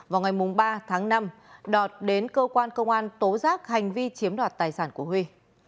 vào ngày ba tháng năm đọt đến cơ quan công an tố giác hành vi chiếm đoạt tài sản của huy